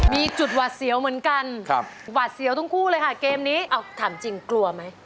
มีจุดหวาดเสียวเหมือนกันหวาดเสียวทั้งคู่เลยค่ะเกมนี้เอาถามจริงกลัวไหม